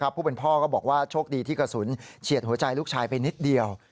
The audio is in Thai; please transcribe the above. ผู้เป็นพ่อก็บอกว่าโชคดีที่กระสุนเฉียดหัวใจลูกชายไปนิดเดียว